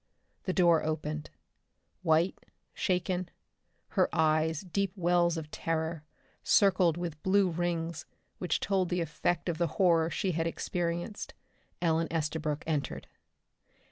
The door opened. White, shaken, her eyes deep wells of terror, circled with blue rings which told the effect of the horror she had experienced, Ellen Estabrook entered.